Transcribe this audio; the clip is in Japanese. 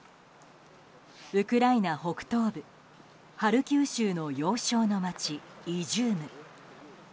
ウクライナ北東部ハルキウ州の要衝の街イジューム。